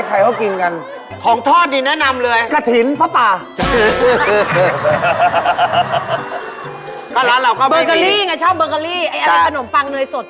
อันนั้นเป็นขนมปังเนยสด